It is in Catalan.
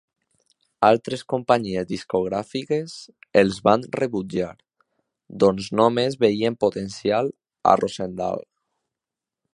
Altres companyies discogràfiques els van rebutjar, doncs només veien potencial a Rosendahl.